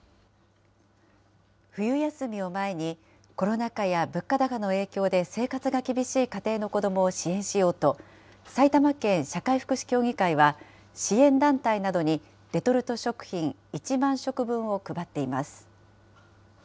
冬休みを前に、コロナ禍や物価高の影響で、生活が厳しい家庭の子どもを支援しようと、埼玉県社会福祉協議会は、支援団体などにレトルト食品１万食分を配っています。